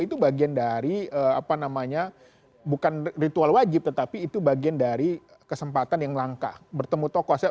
itu bagian dari apa namanya bukan ritual wajib tetapi itu bagian dari kesempatan yang langka bertemu tokoh